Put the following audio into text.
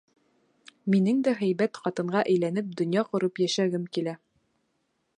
Минең дә һәйбәт ҡатынға әйләнеп, донъя ҡороп йәшәгем килә!..